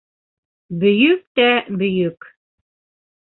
Бөйөк тә бөйөк...